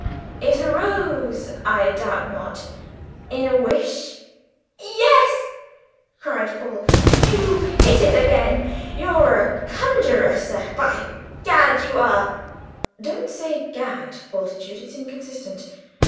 It arose, I doubt not, in a wish?" "Yes," cried Paul, "you've hit it again. You're a conjurer, sir, by Gad you are!" "Don't say 'by Gad,' Bultitude; it's inconsistent.